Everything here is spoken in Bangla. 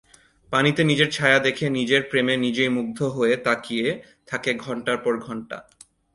পানিতে নিজের ছায়া দেখে নিজের প্রেমে নিজেই মুগ্ধ হয়ে তাকিয়ে থাকে ঘণ্টার পর ঘণ্টা।